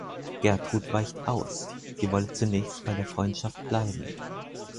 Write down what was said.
Gertrud weicht aus; sie wolle zunächst bei der Freundschaft bleiben.